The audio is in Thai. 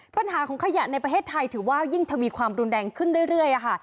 ปัญหาของขยะในประเทศไทยถือว่ายิ่งทวีความรุนแรงขึ้นเรื่อยค่ะ